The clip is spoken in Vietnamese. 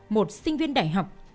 một sinh viên đại học